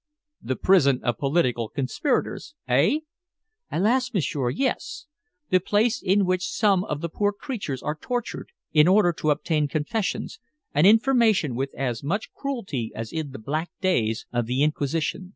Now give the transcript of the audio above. "The prison of political conspirators, eh?" "Alas, m'sieur, yes! The place in which some of the poor creatures are tortured in order to obtain confessions and information with as much cruelty as in the black days of the Inquisition.